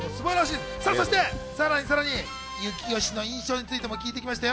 そしてさらに、征悦の印象についても聞いてきましたよ。